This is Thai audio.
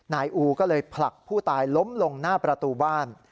นายอูก็เลยผลักผู้ตายล้มลงหน้าประตูบ้าน